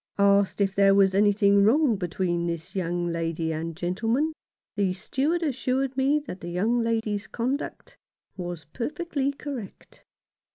Asked if there was anything wrong between this young lady and gentleman, the steward assured me that the young lady's conduct was perfectly correct.